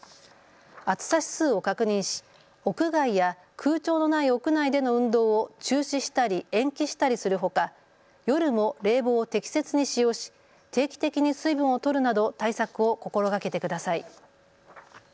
暑さ指数を確認し屋外や空調のない屋内での運動を中止したり延期したりするほか夜も冷房を適切に使用し定期的に水分をとるなど対策を心がけてください。